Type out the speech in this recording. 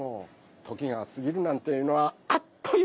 時がすぎるなんていうのはあっという間ですよ